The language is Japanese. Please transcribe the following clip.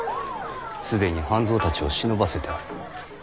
既に半蔵たちを忍ばせてある。